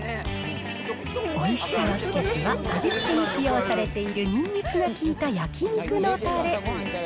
おいしさの秘けつは、味付けに使用されているにんにくが効いた焼き肉のたれ。